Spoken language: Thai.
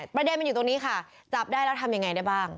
ประเด็นมันอยู่ตรงนี้ค่ะจับได้แล้วทำยังไงได้บ้าง